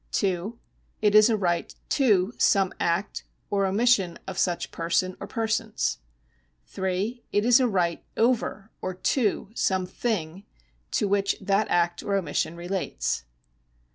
(2) It is a right to some act or omission of such person or persons. (3) It is a right over or to some thing to which that act or omission relates.